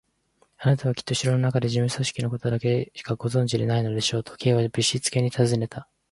「あなたはきっと城のなかの事務組織のことだけしかご存じでないのでしょう？」と、Ｋ はぶしつけにたずねた。